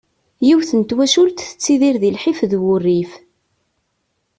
Yiwet n twacult tettidir di lḥif d wurrif.